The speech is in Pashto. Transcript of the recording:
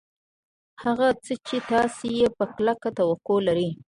هغه څه چې تاسې یې په کلکه توقع لرئ